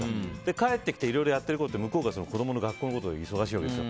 帰ってきていろいろやっていたら向こうが子供の学校のことで忙しいわけです。